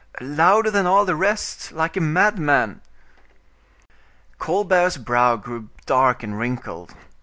"Louder than all the rest; like a madman." Colbert's brow grew dark and wrinkled.